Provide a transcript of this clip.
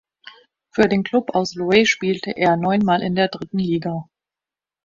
Für den Klub aus Loei spielte er neunmal in der dritten Liga.